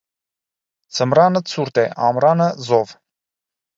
Ձմռանը ցուրտ է, ամռանը՝ զով։